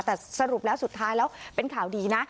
แต่สรุปแล้วสุดท้ายแล้วเป็นข่าวดีนะ